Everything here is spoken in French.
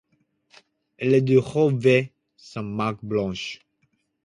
Elle est de robe bai, sans marques blanches.